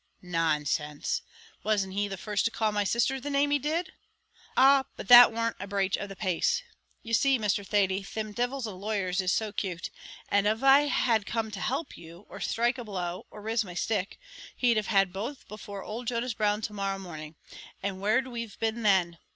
"Nonsense! wasn't he the first to call my sisther the name he did?" "Ah! but that warn't a braich of the pace. You see, Mr. Thady, thim divils of lawyers is so cute; and av I had come to help you, or sthrike a blow, or riz my stick, he'd have had both before old Jonas Brown to morrow morning; and where'd we've been then?